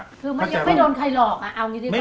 คือไม่โดนใครหลอกอ่ะเอางี้ดีกว่า